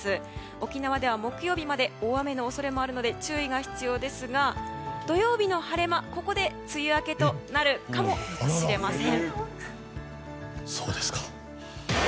沖縄では木曜日まで大雨の恐れもあるので注意が必要ですが土曜日の晴れ間、ここで梅雨明けとなるかもしれません。